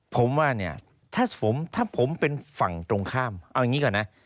ผมว่าเนี่ยถ้าผมเป็นฝั่งตรงข้ามเอาอย่างนี้ก่อนนะ